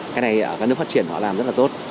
cái này ở các nước phát triển họ làm rất là tốt